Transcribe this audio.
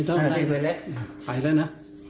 ฉันไปแล้วนะ